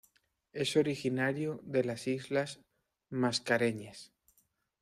Es originario de las islas Mascareñas.